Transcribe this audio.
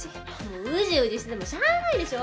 ウジウジしててもしゃあないでしょ。